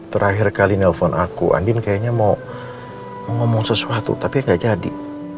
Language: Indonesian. terakhir kali nelfon aku andin kayaknya mau ngomong sesuatu tapi gak jadi